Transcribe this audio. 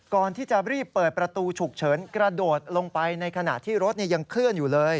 ก่อนที่จะรีบเปิดประตูฉุกเฉินกระโดดลงไปในขณะที่รถยังเคลื่อนอยู่เลย